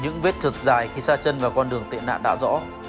không biết trượt dài khi xa chân vào con đường tệ nạn đã rõ